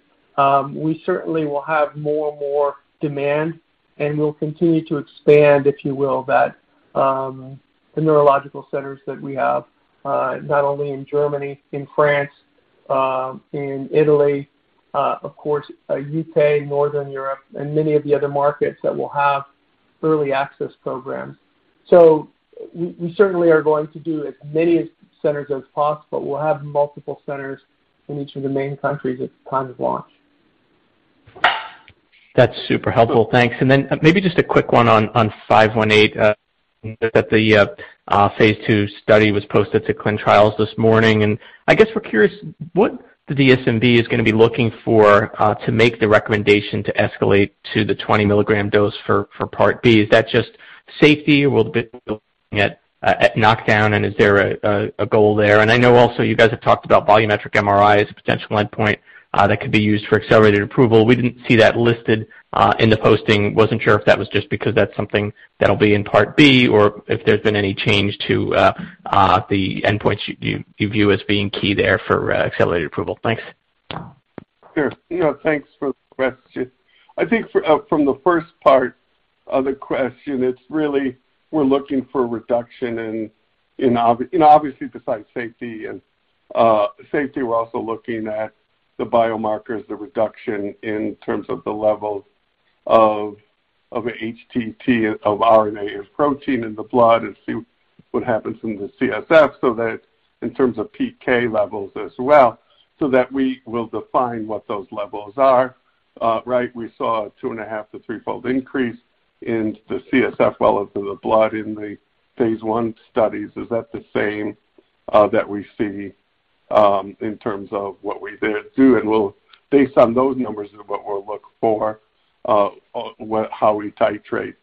we certainly will have more and more demand, and we'll continue to expand, if you will, that the neurological centers that we have, not only in Germany, in France, in Italy, of course, U.K., Northern Europe, and many of the other markets that will have early access programs. We certainly are going to do as many centers as possible. We'll have multiple centers in each of the main countries at the time of launch. That's super helpful. Thanks. Maybe just a quick one on 518. That phase II study was posted to ClinicalTrials.gov this morning, and I guess we're curious what the DSMB is gonna be looking for to make the recommendation to escalate to the 20-milligram dose for part B. Is that just safety? Will it be looking at knockdown, and is there a goal there? I know also you guys have talked about volumetric MRI as a potential endpoint that could be used for accelerated approval. We didn't see that listed in the posting. Wasn't sure if that was just because that's something that'll be in part B or if there's been any change to the endpoints you view as being key there for accelerated approval. Thanks. Sure. You know, thanks for the question. I think from the first part of the question, it's really we're looking for a reduction in you know, obviously besides safety, we're also looking at the biomarkers, the reduction in terms of the levels of HTT, of RNA and protein in the blood and see what happens in the CSF so that in terms of PK levels as well, so that we will define what those levels are, right? We saw a 2.5- to 3-fold increase in the CSF as well as in the blood in the phase I studies. Is that the same that we see in terms of what we then do? We'll base on those numbers is what we'll look for, how we titrate,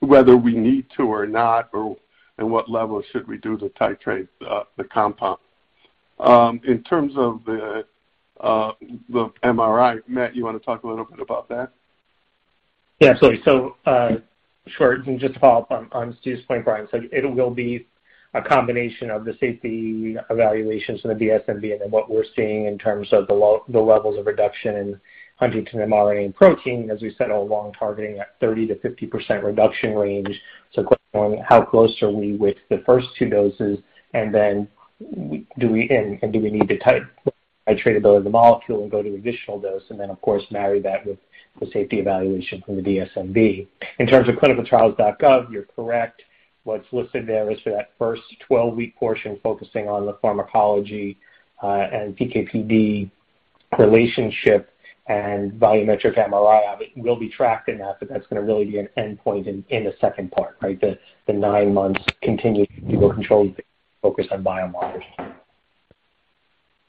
whether we need to or not or, and what level should we do to titrate, the compound. In terms of the MRI, Matthew, you wanna talk a little bit about that? Yeah, absolutely. Sure, just to follow up on Stuart Peltz's point, Brian, it will be a combination of the safety evaluations from the DSMB and then what we're seeing in terms of the levels of reduction in huntingtin mRNA and protein, as we said, all along targeting that 30%-50% reduction range. Question on how close are we with the first two doses, and then do we need to titrate ability of the molecule and go to additional dose and then, of course, marry that with the safety evaluation from the DSMB. In terms of ClinicalTrials.gov, you're correct. What's listed there is for that first 12-week portion, focusing on the pharmacology, and PKPD relationship and volumetric MRI. Obviously, we'll be tracking that, but that's gonna really be an endpoint in the second part, right? The nine months continued placebo-controlled focus on biomarkers.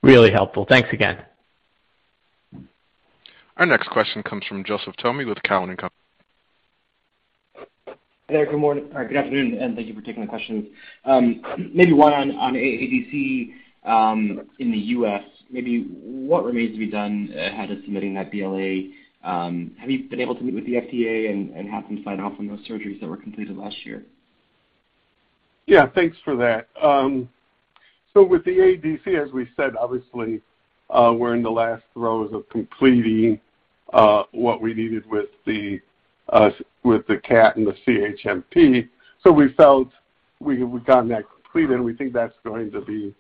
Really helpful. Thanks again. Our next question comes from Joseph Thome with Cowen and Company. Hey there. Good morning or good afternoon, and thank you for taking the questions. Maybe one on AADC in the U.S. Maybe what remains to be done ahead of submitting that BLA? Have you been able to meet with the FDA and have them sign off on those surgeries that were completed last year? Yeah, thanks for that. So with the AADC, as we said, obviously, we're in the last throes of completing what we needed with the CAT and the CHMP. We've gotten that completed, and we think that's going to be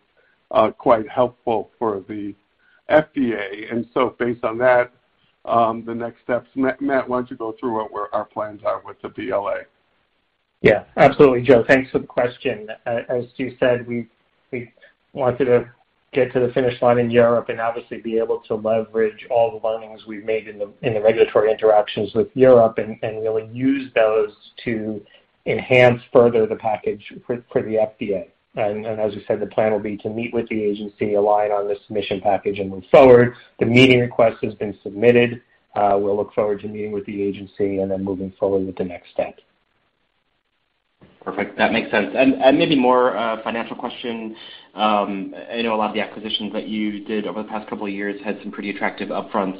quite helpful for the FDA. Based on that, the next steps. Matt, why don't you go through where our plans are with the BLA? Yeah, absolutely, Joe. Thanks for the question. As you said, we wanted to get to the finish line in Europe and obviously be able to leverage all the learnings we've made in the regulatory interactions with Europe and really use those to enhance further the package for the FDA. As you said, the plan will be to meet with the agency, align on the submission package and move forward. The meeting request has been submitted. We'll look forward to meeting with the agency and then moving forward with the next step. Perfect. That makes sense. Maybe more of a financial question. I know a lot of the acquisitions that you did over the past couple of years had some pretty attractive upfronts,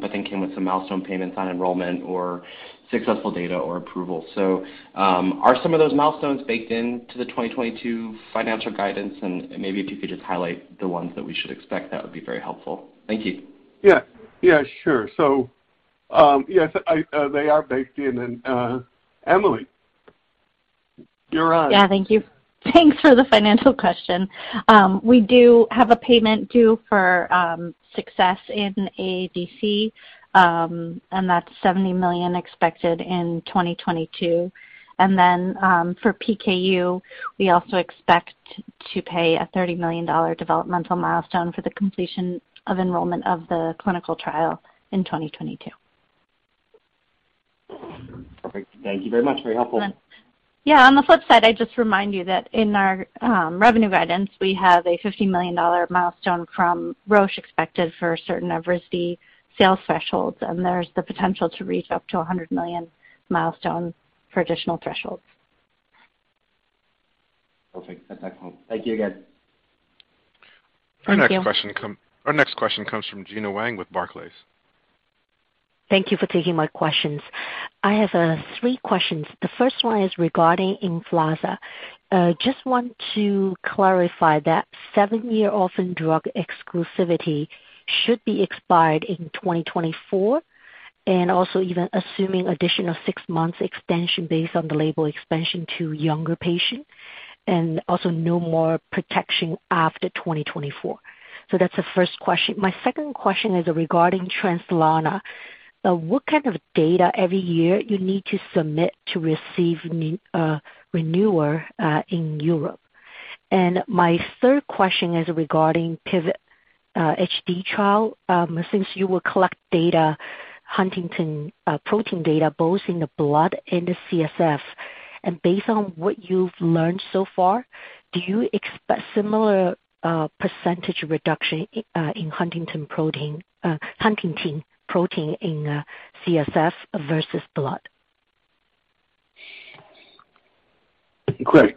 but then came with some milestone payments on enrollment or successful data or approval. Are some of those milestones baked into the 2022 financial guidance? Maybe if you could just highlight the ones that we should expect, that would be very helpful. Thank you. Yeah. Yeah, sure. Yes, they are baked in. Emily, you're on. Yeah, thank you. Thanks for the financial question. We do have a payment due for success in AADC, and that's $70 million expected in 2022. For PKU, we also expect to pay a $30 million developmental milestone for the completion of enrollment of the clinical trial in 2022. Perfect. Thank you very much. Very helpful. Yeah. On the flip side, I'd just remind you that in our revenue guidance, we have a $50 million milestone from Roche expected for certain Evrysdi sales thresholds, and there's the potential to reach up to a $100 million milestone for additional thresholds. Perfect. That's helpful. Thank you again. Thank you. Our next question comes from Gena Wang with Barclays. Thank you for taking my questions. I have three questions. The first one is regarding Emflaza. Just want to clarify that seven-year orphan drug exclusivity should be expired in 2024, and also even assuming additional six months extension based on the label expansion to younger patients, and also no more protection after 2024. That's the first question. My second question is regarding Translarna. What kind of data every year you need to submit to receive renewal in Europe? My third question is regarding PIVOT-HD trial. Since you will collect data, huntingtin protein data, both in the blood and the CSF, and based on what you've learned so far, do you expect similar percentage reduction in huntingtin protein in CSF versus blood? Great.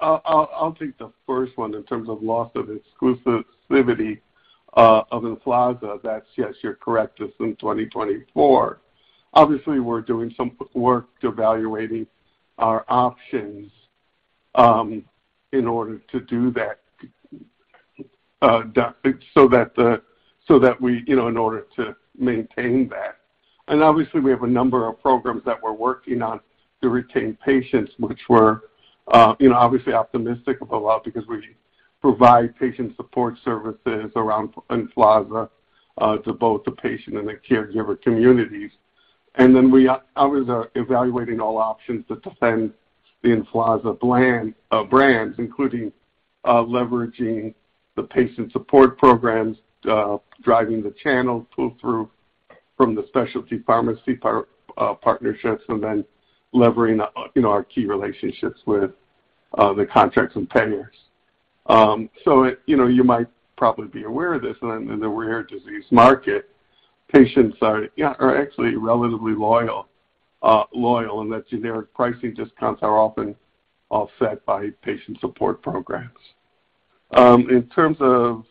I'll take the first one in terms of loss of exclusivity of Emflaza. Yes, you're correct. It's in 2024. Obviously, we're doing some work to evaluate our options in order to do that so that we, you know, in order to maintain that. Obviously we have a number of programs that we're working on to retain patients, which we're, you know, obviously optimistic about because we provide patient support services around Emflaza to both the patient and the caregiver communities. Then we are obviously evaluating all options to defend the Emflaza brand, including leveraging the patient support programs, driving the channel pull-through from the specialty pharmacy partnerships, and leveraging, you know, our key relationships with the contracts and payers. You know, you might probably be aware of this, in the rare disease market, patients are actually relatively loyal in that generic pricing discounts are often offset by patient support programs. In terms of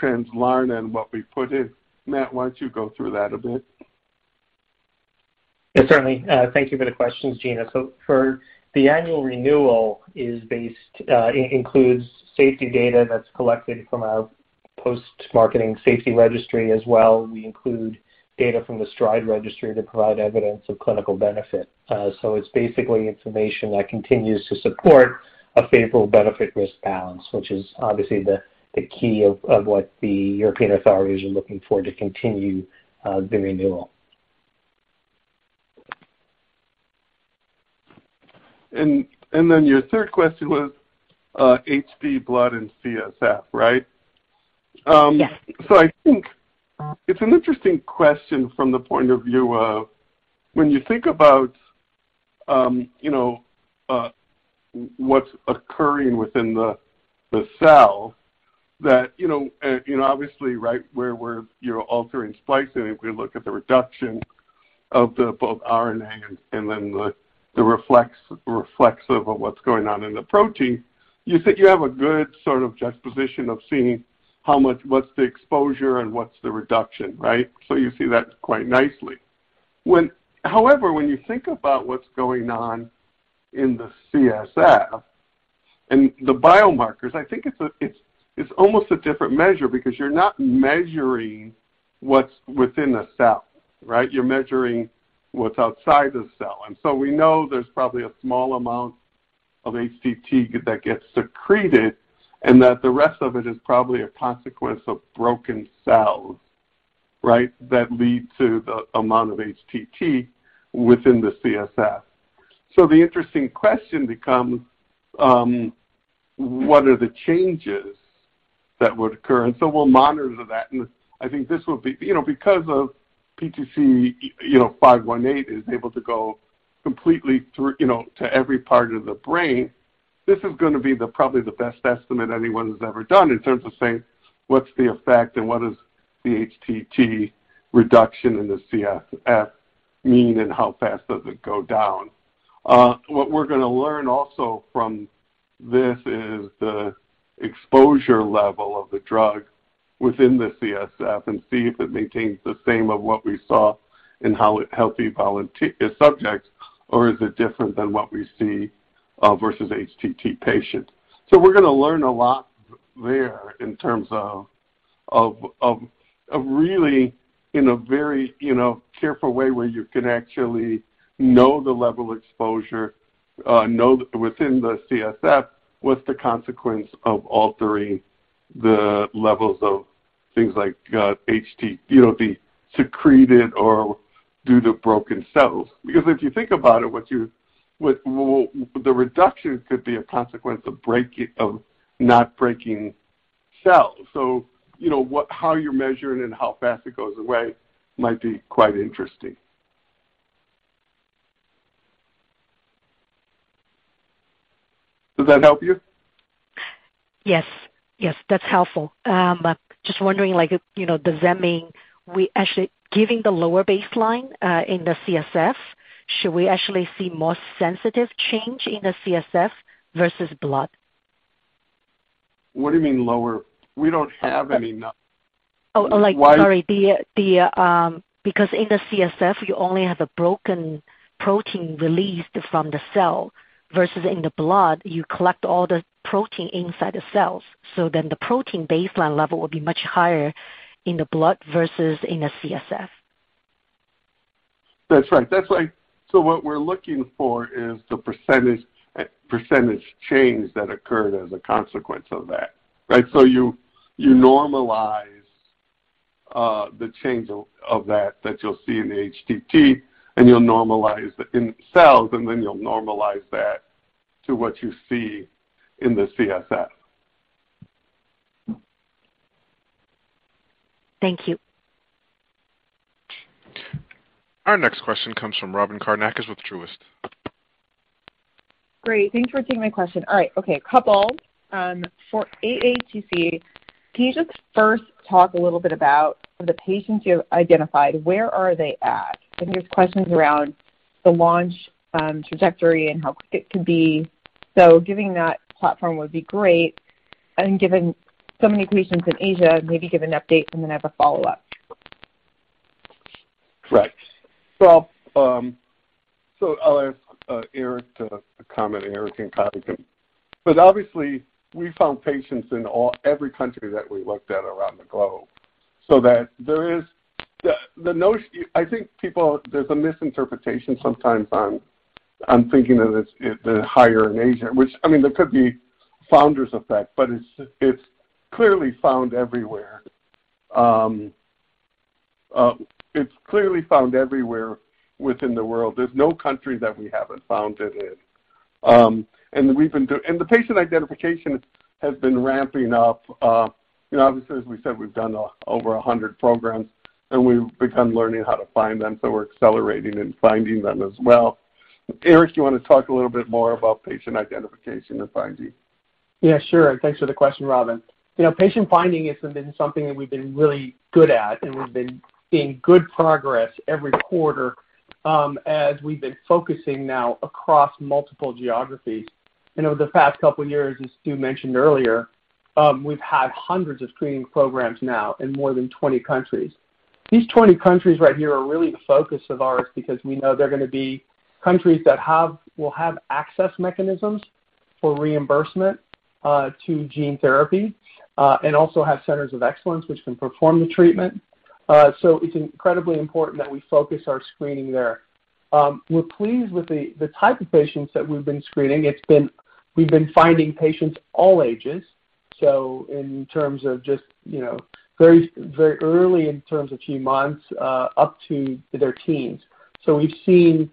Translarna and what we put in, Matt, why don't you go through that a bit? Yeah, certainly. Thank you for the questions, Gina. For the annual renewal is based, includes safety data that's collected from a post-marketing safety registry. As well, we include data from the Stride registry to provide evidence of clinical benefit. It's basically information that continues to support a favorable benefit risk balance, which is obviously the key of what the European authorities are looking for to continue the renewal. Then your third question was, HD blood and CSF, right? Yes. I think it's an interesting question from the point of view of when you think about, you know, what's occurring within the cell that, you know, obviously right where you're altering splicing, if we look at the reduction of both RNA and then the reflection of what's going on in the protein, you have a good sort of juxtaposition of seeing how much, what's the exposure and what's the reduction, right? You see that quite nicely. However, when you think about what's going on in the CSF and the biomarkers, I think it's almost a different measure because you're not measuring what's within the cell, right? You're measuring what's outside the cell. We know there's probably a small amount of HTT that gets secreted, and that the rest of it is probably a consequence of broken cells, right? That lead to the amount of HTT within the CSF. The interesting question becomes, what are the changes that would occur? We'll monitor that. I think this will be you know, because of PTC you know, 518 is able to go completely through, you know, to every part of the brain. This is gonna be probably the best estimate anyone has ever done in terms of saying what's the effect and what is the HTT reduction in the CSF mean, and how fast does it go down. What we're gonna learn also from this is the exposure level of the drug within the CSF and see if it maintains the same of what we saw in healthy volunteer subjects or is it different than what we see versus HTT patients. We're gonna learn a lot there in terms of of really in a very, you know, careful way where you can actually know the level exposure know within the CSF what's the consequence of altering the levels of things like HTT, you know, be secreted or due to broken cells. Because if you think about it, Well, the reduction could be a consequence of not breaking cells. You know what, how you measure it and how fast it goes away might be quite interesting. Does that help you? Yes. Yes, that's helpful. Just wondering, like, you know, does that mean we actually giving the lower baseline, in the CSF, should we actually see more sensitive change in the CSF versus blood? What do you mean lower? We don't have any num- Oh, like- Why- Sorry. In the CSF you only have a broken protein released from the cell versus in the blood you collect all the protein inside the cells, so then the protein baseline level will be much higher in the blood versus in the CSF. That's right. That's why. What we're looking for is the percentage change that occurred as a consequence of that, right? You normalize the change of that you'll see in the HTT, and you'll normalize in cells, and then you'll normalize that to what you see in the CSF. Thank you. Our next question comes from Robyn Karnauskas with Truist. Great. Thanks for taking my question. All right. Okay, a couple. For AADC, can you just first talk a little bit about the patients you've identified, where are they at? I think there's questions around the launch, trajectory and how quick it could be. Giving that platform would be great. Given so many patients in Asia maybe give an update, and then I have a follow-up. Right. Well, I'll ask Eric to comment, Eric and Carlton. Obviously we found patients in every country that we looked at around the globe. That there is the notion. I think people, there's a misinterpretation sometimes on thinking that it's higher in Asia, which, I mean, there could be founder effect, but it's clearly found everywhere within the world. There's no country that we haven't found it in. The patient identification has been ramping up. You know, obviously, as we said, we've done over 100 programs, and we've been learning how to find them, so we're accelerating in finding them as well. Eric, you wanna talk a little bit more about patient identification and finding? Yeah, sure. Thanks for the question, Robyn. You know, patient finding has been something that we've been really good at, and we've been seeing good progress every quarter, as we've been focusing now across multiple geographies. You know, the past couple of years, as Stu mentioned earlier, we've had hundreds of screening programs now in more than 20 countries. These 20 countries right here are really the focus of ours because we know they're gonna be countries that will have access mechanisms for reimbursement to gene therapy, and also have centers of excellence which can perform the treatment. So it's incredibly important that we focus our screening there. We're pleased with the type of patients that we've been screening. We've been finding patients all ages, so in terms of just, you know, very, very early in terms of few months up to their teens. We've seen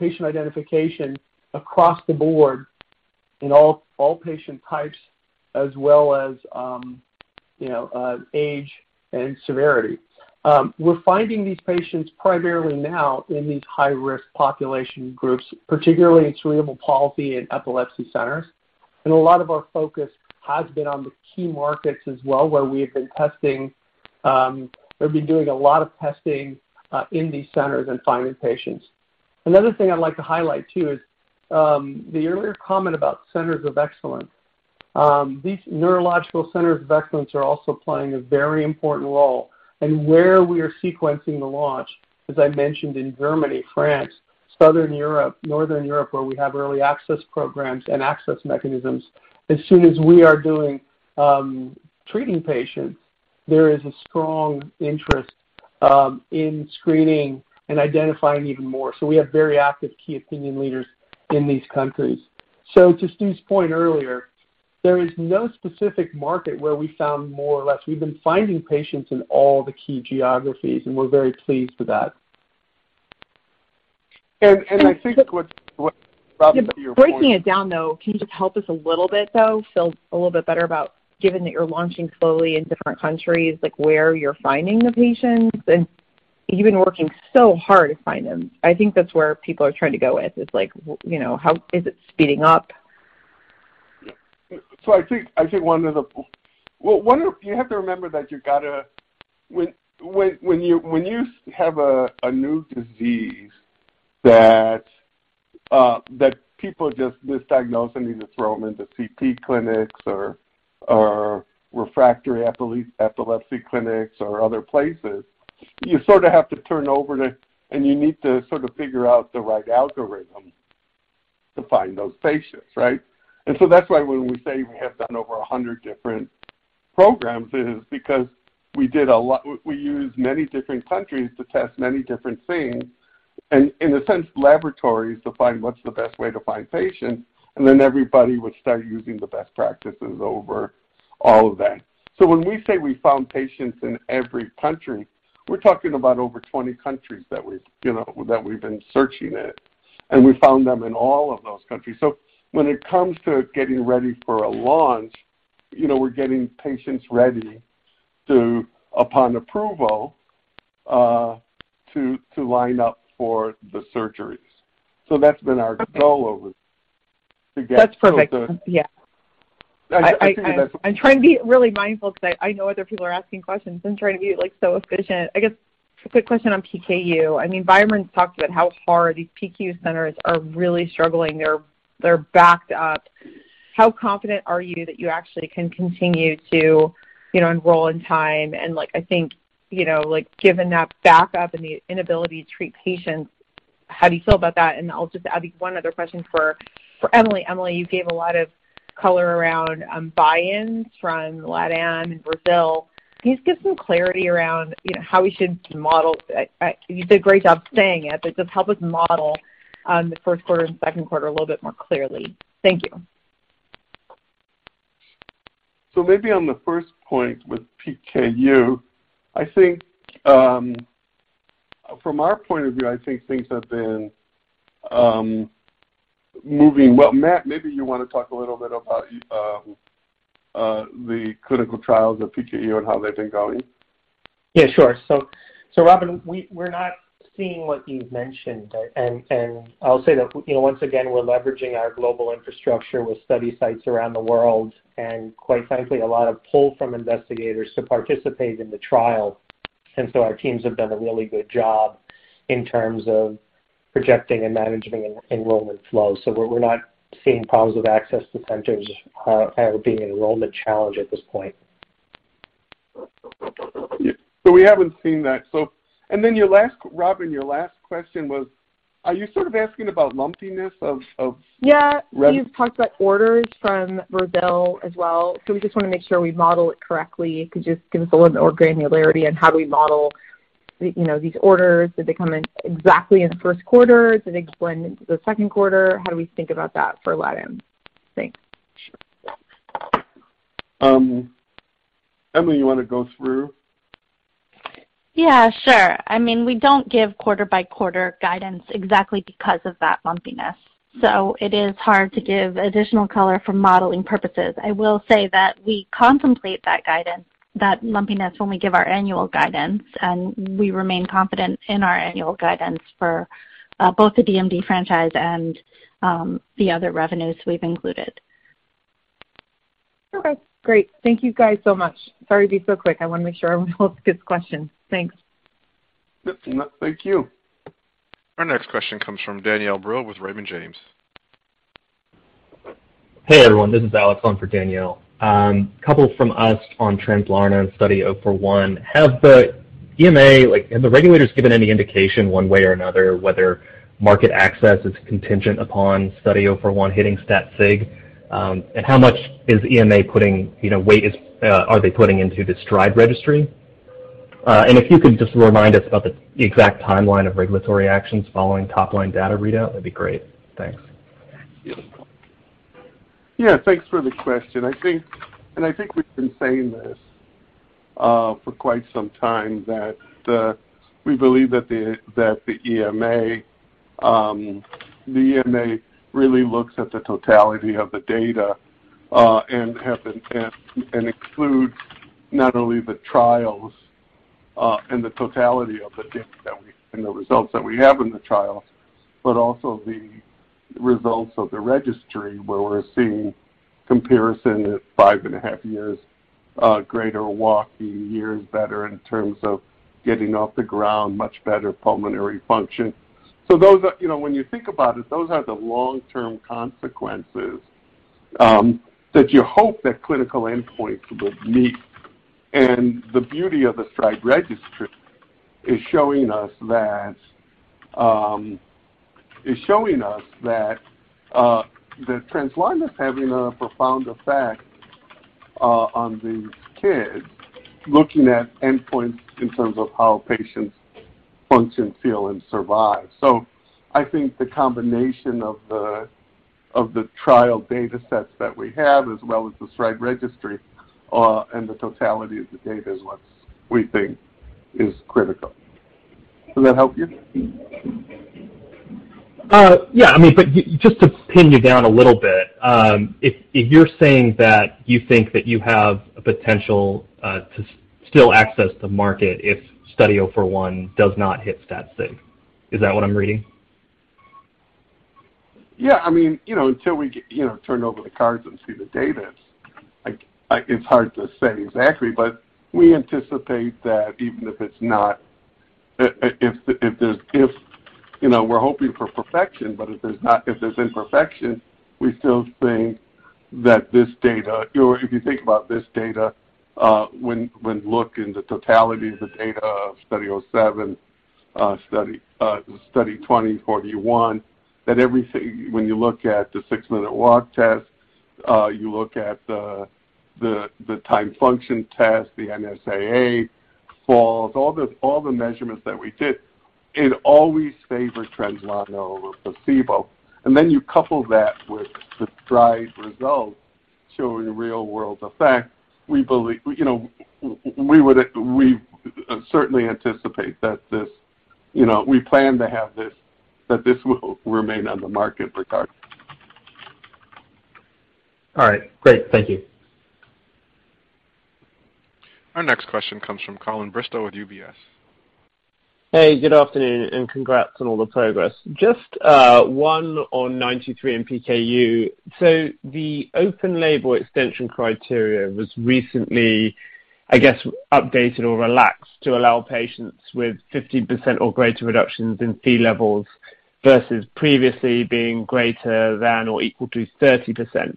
patient identification across the board in all patient types as well as age and severity. We're finding these patients primarily now in these high-risk population groups, particularly in cerebral palsy and epilepsy centers. A lot of our focus has been on the key markets as well, where we have been testing or been doing a lot of testing in these centers and finding patients. Another thing I'd like to highlight too is the earlier comment about centers of excellence. These neurological centers of excellence are also playing a very important role. Where we are sequencing the launch, as I mentioned in Germany, France, Southern Europe, Northern Europe, where we have early access programs and access mechanisms, as soon as we are doing, treating patients, there is a strong interest in screening and identifying even more. We have very active key opinion leaders in these countries. To Stu's point earlier, there is no specific market where we found more or less. We've been finding patients in all the key geographies, and we're very pleased with that. I think what Robyn, you're pointing- Just breaking it down, though, can you just help us a little bit, though, feel a little bit better about given that you're launching slowly in different countries, like where you're finding the patients? You've been working so hard to find them. I think that's where people are trying to go with is like, you know, how is it speeding up? You have to remember that when you have a new disease that people just misdiagnose and either throw them into CT clinics or refractory epilepsy clinics or other places, you sort of have to turn over to, and you need to sort of figure out the right algorithm to find those patients, right? That's why when we say we have done over 100 different programs is because we used many different countries to test many different things, and in a sense, laboratories to find what's the best way to find patients, and then everybody would start using the best practices over all of that. When we say we found patients in every country, we're talking about over 20 countries that we've you know been searching it, and we found them in all of those countries. When it comes to getting ready for a launch, you know, we're getting patients ready to, upon approval, line up for the surgeries. That's been our goal. That's perfect. Yeah. I think that's. I'm trying to be really mindful 'cause I know other people are asking questions. I'm trying to be, like, so efficient. I guess a quick question on PKU. I mean, BioMarin's talked about how far these PKU centers are really struggling. They're backed up. How confident are you that you actually can continue to, you know, enroll in time? And like, I think, you know, like given that backup and the inability to treat patients, how do you feel about that? I'll just add one other question for Emily. Emily, you gave a lot of color around buy-ins from LATAM and Brazil. Can you just give some clarity around, you know, how we should model. You did a great job saying it, but just help us model the Q1 and Q2 a little bit more clearly. Thank you. Maybe on the first point with PKU, I think, from our point of view, I think things have been moving well. Matt, maybe you wanna talk a little bit about the clinical trials of PKU and how they've been going. Yeah, sure. So, Robyn, we're not seeing what you've mentioned. I'll say that, you know, once again, we're leveraging our global infrastructure with study sites around the world, and quite frankly, a lot of pull from investigators to participate in the trial. Our teams have done a really good job in terms of projecting and managing enrollment flow. We're not seeing problems with access to centers or with enrollment challenges at this point. Yeah. We haven't seen that. Robyn, your last question was, are you sort of asking about lumpiness of? Yeah. You've talked about orders from Brazil as well. We just wanna make sure we model it correctly. Could you just give us a little more granularity on how do we model, you know, these orders? Did they come in exactly in the Q1? Did they blend into the Q2? How do we think about that for LATAM? Thanks. Emily, you wanna go through? Yeah, sure. I mean, we don't give quarter-by-quarter guidance exactly because of that lumpiness. It is hard to give additional color for modeling purposes. I will say that we contemplate that guidance, that lumpiness when we give our annual guidance, and we remain confident in our annual guidance for both the DMD franchise and the other revenues we've included. Okay, great. Thank you guys so much. Sorry to be so quick. I wanna make sure everyone else gets questions. Thanks. Thank you. Our next question comes from Danielle Brill with Raymond James. Hey, everyone. This is Alex on for Danielle. A couple from us on Translarna Study 041. Have the EMA, like, the regulators given any indication one way or another whether market access is contingent upon Study 041 hitting stat sig? And how much is EMA putting, you know, weight are they putting into the STRIDE registry? And if you could just remind us about the exact timeline of regulatory actions following top-line data readout, that'd be great. Thanks. Yeah. Thanks for the question. I think we've been saying this for quite some time that we believe that the EMA really looks at the totality of the data and includes not only the trials and the totality of the data and the results that we have in the trials, but also the results of the registry, where we're seeing comparison at 5.5 years, greater walking years, better in terms of getting off the ground, much better pulmonary function. Those are, you know, when you think about it, those are the long-term consequences that you hope that clinical endpoints will meet. The beauty of the STRIDE registry is showing us that Translarna is having a profound effect on these kids, looking at endpoints in terms of how patients function, feel, and survive. I think the combination of the trial datasets that we have as well as the STRIDE registry and the totality of the data is what we think is critical. Does that help you? Yeah. I mean, just to pin you down a little bit, if you're saying that you think that you have a potential to still access the market if Study 041 does not hit stat sig, is that what I'm reading? Yeah. I mean, you know, until we get, you know, turn over the cards and see the data, it's hard to say exactly, but we anticipate that even if it's not, if there's imperfection, we still think that this data, or if you think about this data, when you look in the totality of the data of Study 007, Study 020/041, that everything, when you look at the six-minute walk test, you look at the timed function tests, the NSAA, falls, all the measurements that we did, it always favored Translarna over placebo. You couple that with the STRIDE results showing real world effect, we believe, you know, we would, we certainly anticipate that this, you know, we plan to have this, that this will remain on the market regardless. All right. Great. Thank you. Our next question comes from Colin Bristow with UBS. Hey, good afternoon and congrats on all the progress. Just one on PTC923 and PKU. The open label extension criteria was recently, I guess, updated or relaxed to allow patients with 50% or greater reductions in Phe levels versus previously being greater than or equal to 30%.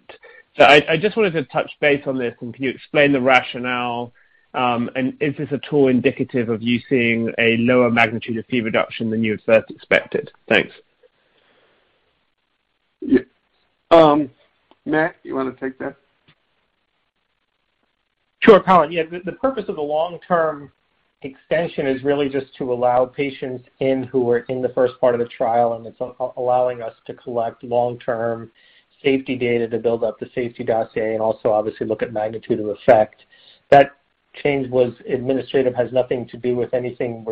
I just wanted to touch base on this and can you explain the rationale, and is this at all indicative of you seeing a lower magnitude of Phe reduction than you had first expected? Thanks. Yeah, Matt, you wanna take that? Sure, Colin. Yeah, the purpose of the long-term extension is really just to allow patients in who were in the first part of the trial, and it's allowing us to collect long-term safety data to build up the safety dossier and also obviously look at magnitude of effect. That change was administrative, has nothing to do with anything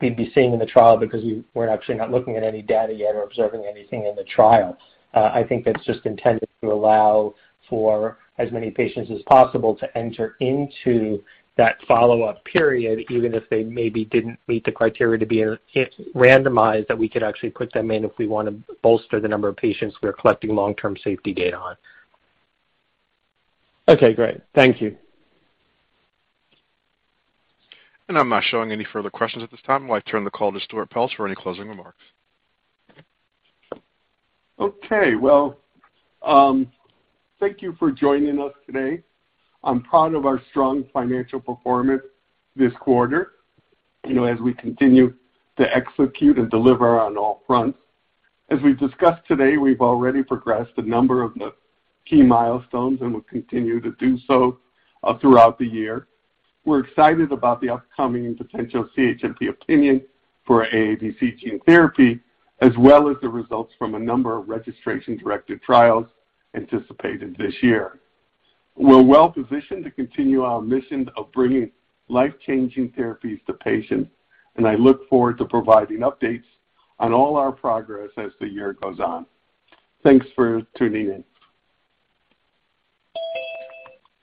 we'd be seeing in the trial because we're actually not looking at any data yet or observing anything in the trial. I think that's just intended to allow for as many patients as possible to enter into that follow-up period, even if they maybe didn't meet the criteria to be in it, randomized, that we could actually put them in if we wanna bolster the number of patients we are collecting long-term safety data on. Okay, great. Thank you. I'm not showing any further questions at this time. I'd like to turn the call to Stuart Peltz for any closing remarks. Okay. Well, thank you for joining us today. I'm proud of our strong financial performance this quarter, you know, as we continue to execute and deliver on all fronts. As we've discussed today, we've already progressed a number of the key milestones, and we'll continue to do so throughout the year. We're excited about the upcoming potential CHMP opinion for AADC gene therapy, as well as the results from a number of registration-directed trials anticipated this year. We're well-positioned to continue our mission of bringing life-changing therapies to patients, and I look forward to providing updates on all our progress as the year goes on. Thanks for tuning in.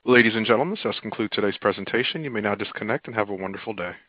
Ladies and gentlemen, this concludes today's presentation. You may now disconnect and have a wonderful day.